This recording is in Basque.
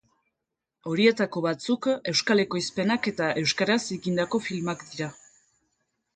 Horietako batzuk euskal ekoizpenak eta euskaraz egindako filmak dira.